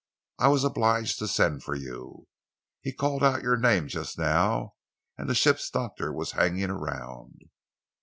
I was obliged to send for you. He called out your name just now, and the ship's doctor was hanging around."